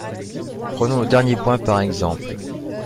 Prenons le dernier point par exemple.